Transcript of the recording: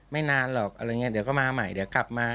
นานหรอกอะไรอย่างนี้เดี๋ยวก็มาใหม่เดี๋ยวกลับมา